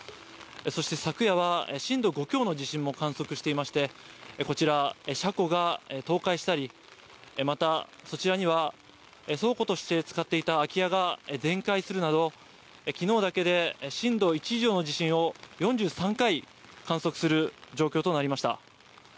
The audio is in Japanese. そして、昨夜は震度５強の地震も観測していまして、こちら、車庫が倒壊したり、またこちらには倉庫として使っていた空き家が全壊するなど、きのうだけで震度１以上の地震を４３回観測する状況となりました。